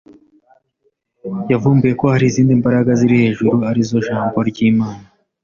yavumbuye ko hari izindi mbaraga ziri hejuru, ari zo jambo ry’Imana.